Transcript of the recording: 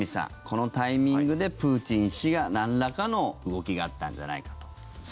このタイミングでプーチン氏がなんらかの動きがあったんじゃないかと。